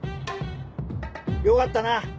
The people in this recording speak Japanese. よかったな！